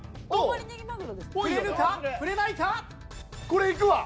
これいくわ！